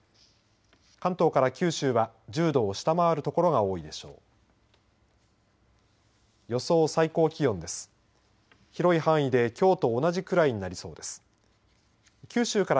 関東から九州は１０度を下回る所が多いでしょう。